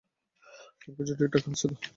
সবকিছু ঠিকঠাক আছে তো?